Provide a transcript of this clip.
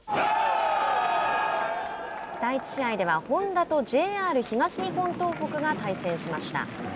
第１試合ではホンダとＪＲ東日本東北が対戦しました。